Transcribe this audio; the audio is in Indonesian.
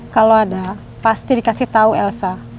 kalau ada pasti dikasih tahu elsa